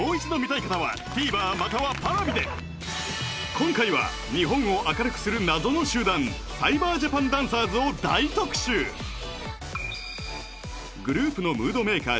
今回は日本を明るくする謎の集団サイバージャパンダンサーズを大特集グループのムードメーカー